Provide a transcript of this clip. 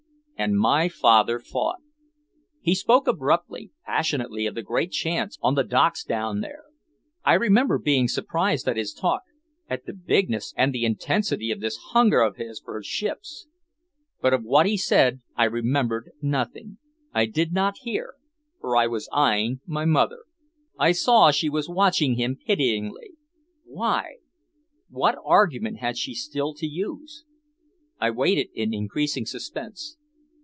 And my father fought. He spoke abruptly, passionately of the great chance on the docks down there. I remember being surprised at his talk, at the bigness and the intensity of this hunger of his for ships. But of what he said I remembered nothing, I did not hear, for I was eyeing my mother. I saw she was watching him pityingly. Why? What argument had she still to use? I waited in increasing suspense.